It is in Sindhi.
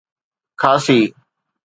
خاصي